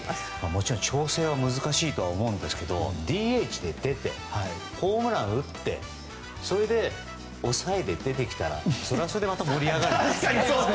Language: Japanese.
もちろん調整は難しいと思いますがＤＨで出て、ホームランを打ってそれで抑えで出てきたらそれはそれで盛り上がる。